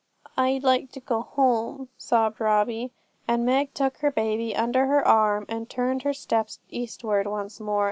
'I'd like to go home,' sobbed Robin; and Meg took her baby upon her tired arm, and turned her steps eastward once more.